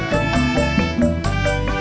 kamu belum pulang ya